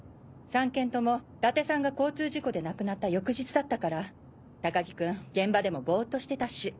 ３件とも伊達さんが交通事故で亡くなった翌日だったから高木君現場でもボっとしてたし。